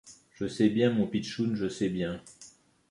Je sais bien, mon pitchoun, je sais bien.